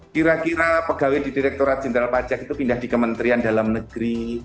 kira kira pegawai di direkturat jenderal pajak itu pindah di kementerian dalam negeri